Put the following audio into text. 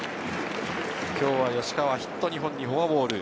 今日は吉川、ヒット２本にフォアボール。